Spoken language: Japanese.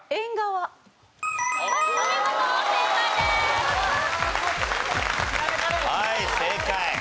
はい正解。